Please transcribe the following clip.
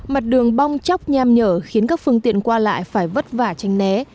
mặt đường bong chóc nham nhở khiến các phương tiện qua lại phải vất vả tranh né